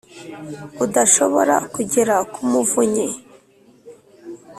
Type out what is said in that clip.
Udashobora kugera ku Muvunyi,